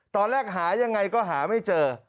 ตอนแรกหายังไงก็หาไม่เจอ